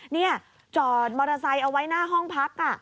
นี่จอดมอเตอร์ไซค์เอาไว้หน้าห้องพัก